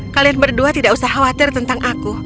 kalian berdua tidak usah khawatir tentang aku